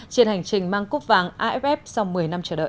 trên hành trình mang cúp vàng aff sau một mươi năm chờ đợi